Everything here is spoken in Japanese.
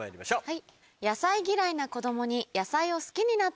はい。